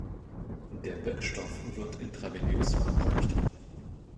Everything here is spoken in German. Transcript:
Der Wirkstoff wird intravenös verabreicht.